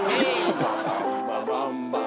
「ババンババンバンバン」